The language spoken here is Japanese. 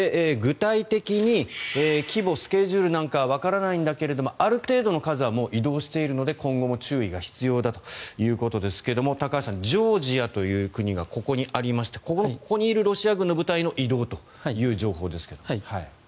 具体的に規模スケジュールなんかはわからないんだけどある程度の数はもう移動しているので今後も注意が必要だということですが高橋さん、ジョージアという国がここにありましてここにいるロシア軍の部隊の移動という情報ですが。